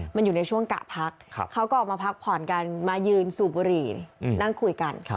มันอยู่ในช่วงกะพักเขาก็ออกมาพักผ่อนกันมายืนสูบบุหรี่นั่งคุยกัน